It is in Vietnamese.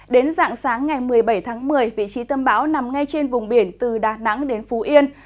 đến dạng sáng ngày một mươi bảy tháng một mươi vị trí tâm bão nằm ngay trên vùng biển từ đà nẵng đến phú yên